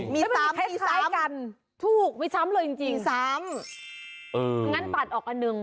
มีสามมีสามกันถูกไม่ช้ำเลยจริงจริงสามเอองั้นตัดออกอันหนึ่ง